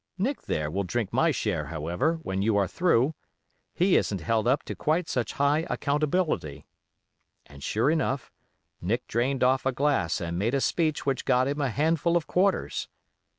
Nick, there, will drink my share, however, when you are through; he isn't held up to quite such high accountability.' And sure enough, Nick drained off a glass and made a speech which got him a handful of quarters.